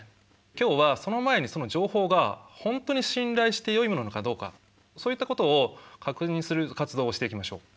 今日はその前にその情報が本当に信頼してよいものなのかどうかそういったことを確認する活動をしていきましょう。